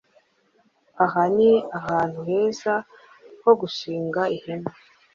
Aha ni ahantu heza ho gushinga ihema.